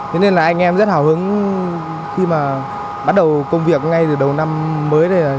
thế nên là anh em rất hào hứng khi mà bắt đầu công việc ngay từ đầu năm mới này